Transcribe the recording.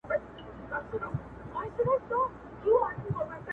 د يوسف عليه السلام قميص روغ وو.